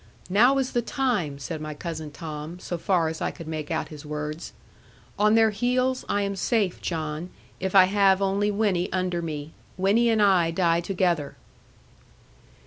'Now is the time,' said my cousin Tom, so far as I could make out his words; on their heels, I am safe, John, if I have only Winnie under me. Winnie and I die together.'